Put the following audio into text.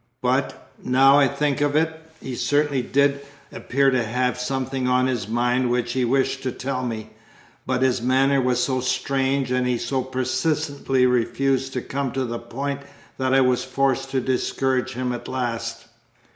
"But, now I think of it, he certainly did appear to have something on his mind which he wished to tell me; but his manner was so strange and he so persistently refused to come to the point, that I was forced to discourage him at last."